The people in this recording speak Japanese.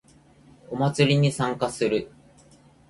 お祭りに参加する